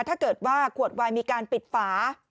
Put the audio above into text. ถ้าเกิดว่าขวดวายมีการปิดฝา